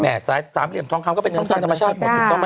แม่สาย๓เรียนท้องคำก็เป็นช่องทางธรรมชาติ